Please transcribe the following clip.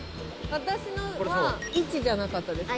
私のは１じゃなかったですか？